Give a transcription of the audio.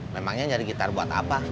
memangnya nyari gitar buat apa